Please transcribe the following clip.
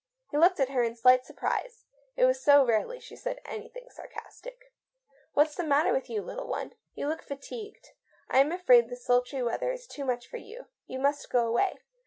He looked at her in slight surprise. It was so rarely she said anything sarcastic. " What's the matter with you, little one ? You look fatigued. I am afraid this sultry weather is too much for you ; you must go away.